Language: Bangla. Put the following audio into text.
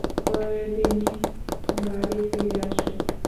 পরে, তিনি বাড়ি ফিরে আসেন।